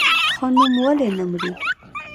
ښه نوم ولې نه مري؟